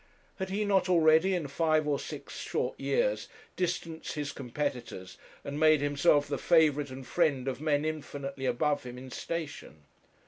Had he not already, in five or six short years, distanced his competitors, and made himself the favourite and friend of men infinitely above him in station?